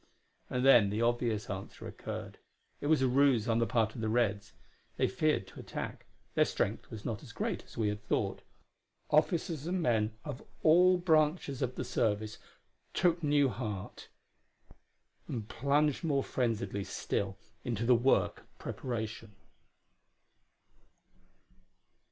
And then the obvious answer occurred; it was a ruse on the part of the Reds. They feared to attack; their strength was not as great as we had thought officers and men of all branches of the service took new heart and plunged more frenziedly still into the work of preparation.